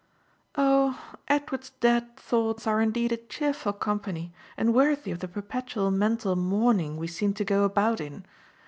"Oh Edward's dead thoughts are indeed a cheerful company and worthy of the perpetual mental mourning we seem to go about in.